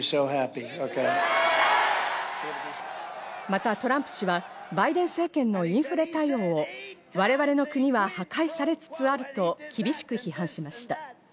またトランプ氏は、バイデン政権のインフレ対応を我々の国は破壊されつつあると厳しく批判しました。